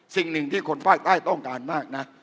สิ่งหนึ่งที่คนภาคใต้ต้องการมากนะ